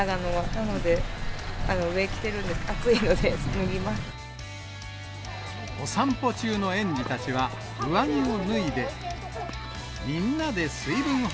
なので、上着てるけど、暑いので、お散歩中の園児たちは上着を暑い。